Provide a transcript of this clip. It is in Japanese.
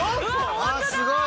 あっすごい！